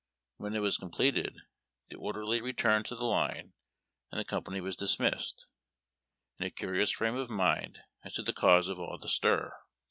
When it was completed, the orderly returned to the line, and the company was dismissed, in a curious frame of mind as to the cause of all the stir.